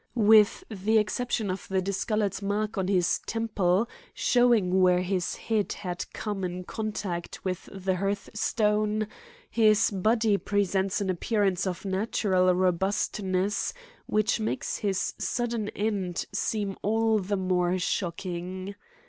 "With the exception of the discolored mark on his temple, showing where his head had come in contact with the hearthstone, his body presents an appearance of natural robustness, which makes his sudden end seem all the more shocking.